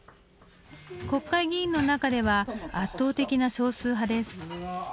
国会議員の中では圧倒的な少数派です。